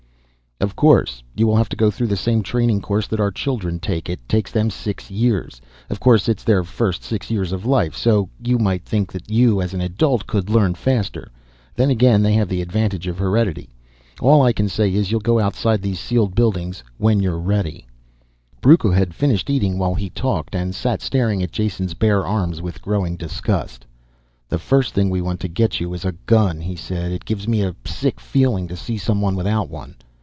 "Of course. You will have to go through the same training course that our children take. It takes them six years. Of course it's their first six years of life. So you might think that you, as an adult, could learn faster. Then again they have the advantage of heredity. All I can say is you'll go outside these sealed buildings when you're ready." Brucco had finished eating while he talked, and sat staring at Jason's bare arms with growing disgust. "The first thing we want to get you is a gun," he said. "It gives me a sick feeling to see someone without one."